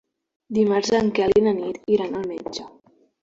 Dimarts en Quel i na Nit iran al metge.